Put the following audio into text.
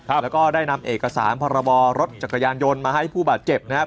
แล้วก็ได้นำเอกสารพรบรถจักรยานยนต์มาให้ผู้บาดเจ็บนะครับ